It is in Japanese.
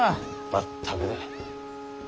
全くだ。